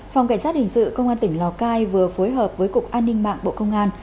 phòng cảnh sát hình sự công an tỉnh lào cai vừa phối hợp với cục an ninh mạng bộ công an